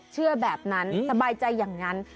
เชื่อแบบนั้นสบายใจอย่างนั้น